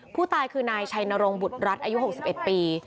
ผู้ตายคือนายชัยนรงบุตรรัฐอายุ๖๑ปี